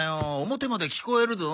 表まで聞こえるぞ。